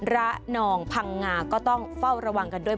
ระนองพังงาก็ต้องเฝ้าระวังกันด้วย